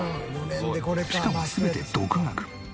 しかも全て独学。